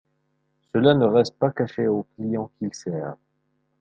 Cela ne reste pas caché au client qu'il sert.